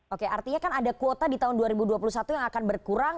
oke artinya kan ada kuota di tahun dua ribu dua puluh satu yang akan berkurang